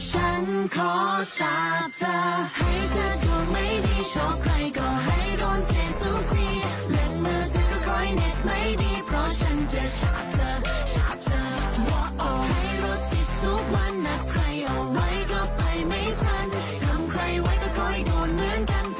โหสเต็ปเขาเป๊ะอยู่นะ